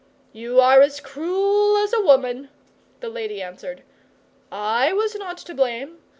'You are as cruel as a woman,' the lady answered. 'I was not to blame.